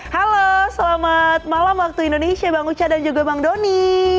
halo selamat malam waktu indonesia bang uca dan juga bang doni